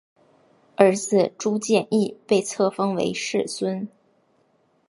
儿子朱健杙被册封为世孙。